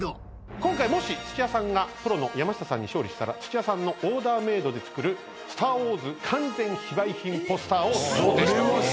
今回もし土屋さんがプロの山下さんに勝利したら土屋さんのオーダーメードで作る『スター・ウォーズ』完全非売品ポスターを贈呈します。